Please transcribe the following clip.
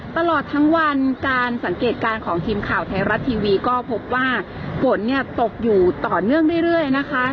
ตลอดทั้งวันการสังเกตการณ์ของทีมข่าวไทยรัฐทีวีก็พบว่าฝนเนี่ยตกอยู่ต่อเนื่องเรื่อยนะคะ